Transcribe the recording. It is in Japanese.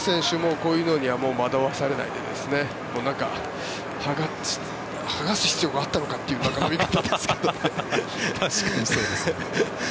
こういうのには惑わされないで、剥がす必要があったのかという感じですけど。